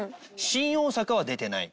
新大阪は出てない。